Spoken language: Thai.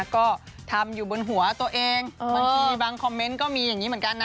ก็ทำอยู่บนหัวตัวเองบางทีบางคอมเมนต์ก็มีอย่างนี้เหมือนกันนะ